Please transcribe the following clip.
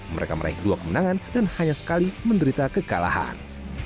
mereka meraih dua kemenangan dan hanya sekali menderita kekalahan